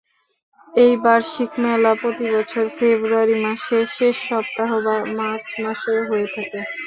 এই বার্ষিক মেলা প্রতি বছর ফেব্রুয়ারি মাসের শেষ সপ্তাহ বা মার্চ মাসে হয়ে থাকে।